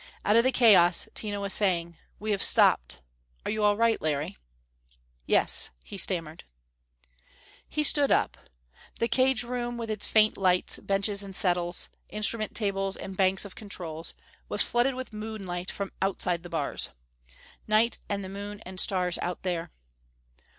Out of the chaos, Tina was saying: "We have stopped. Are you all right, Larry?" "Yes," he stammered. He stood up. The cage room, with its faint lights, benches and settles, instrument tables and banks of controls, was flooded with moonlight from outside the bars. Night, and the moon and stars out there.